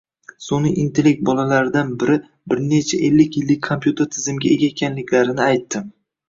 Sunʼiy intellekt bolalaridan biri bir marta ellik yillik kompyuter tizimiga ega ekanliklarini aytdi.